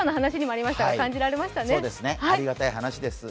ありがたい話です。